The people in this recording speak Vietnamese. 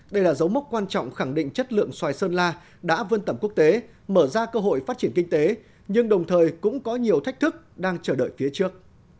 đây là dấu mốc quan trọng khẳng định chất lượng xoài sơn la đã vươn tầm quốc tế mở ra cơ hội phát triển kinh tế nhưng đồng thời cũng có nhiều thách thức đang chờ đợi phía trước